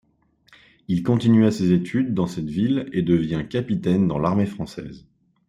Il continua ses études dans cette ville et devient capitaine dans l'armée française.